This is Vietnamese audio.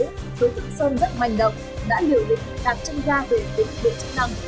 với đối tượng sơn rất manh động đã liều lực đạt chân ga về bốn đội chức năng